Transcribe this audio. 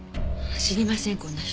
知りませんこんな人。